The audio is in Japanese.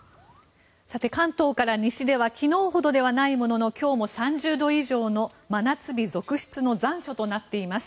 関東から西では昨日ほどではないものの今日も３０度以上の真夏日続出の残暑となっています。